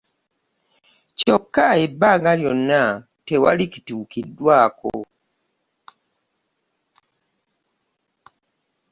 Kyokka ebbanga lyonna tewali kituukiddwako.